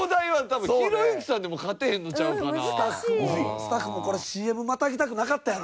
スタッフもこれＣＭまたぎたくなかったやろな。